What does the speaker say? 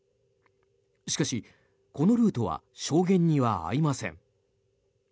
しかし、このルートは証言には合いません。